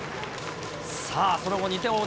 さあ、その後２点を追う